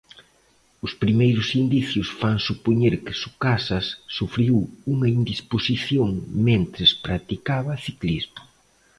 Os primeiros indicios fan supoñer que Sucasas sufriu unha indisposición mentres practicaba ciclismo.